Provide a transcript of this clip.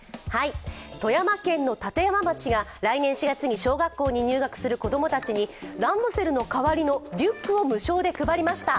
富山県の立山町が来年４月に小学校に入学する子供たちに子供たちにランドセルの代わりのリュックを無償で配りました。